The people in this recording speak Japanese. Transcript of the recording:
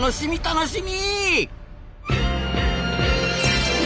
楽しみ！